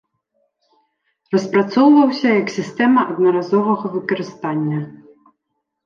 Распрацоўваўся як сістэма аднаразовага выкарыстання.